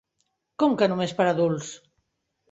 Com que només per a adults?